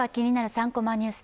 ３コマニュース」